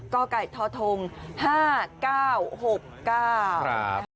กล้าไก่ทอทงห้าเก้าหกเก้าครับ